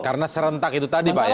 karena serentaknya itu tadi pak ya